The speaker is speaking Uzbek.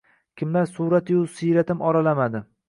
kimlar suvratu siyratim oralamadi.